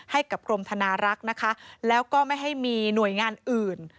ให้กับกรมธนารักษ์นะคะแล้วก็ไม่ให้มีหน่วยงานอื่น